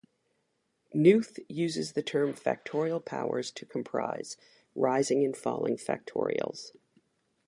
Knuth uses the term factorial powers to comprise rising and falling factorials.